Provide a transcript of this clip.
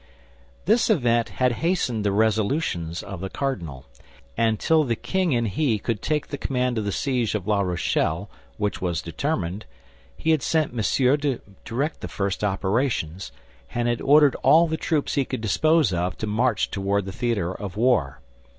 This event had hastened the resolutions of the cardinal; and till the king and he could take the command of the siege of La Rochelle, which was determined, he had sent Monsieur to direct the first operations, and had ordered all the troops he could dispose of to march toward the theater of war.